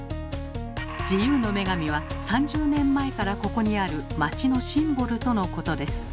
自由の女神は３０年前からここにある街のシンボルとのことです。